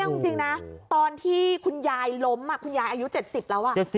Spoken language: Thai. ว่าจริงนะตอนที่คุณยายล้มอายุ๗๐แล้ว